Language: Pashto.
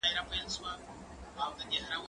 هغه څوک چې کار کوي پرمختګ کوي!؟